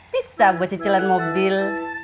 bisa buat cecelan mobil